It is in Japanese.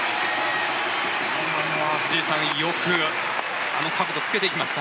今のは藤井さんよくあの角度つけていきました。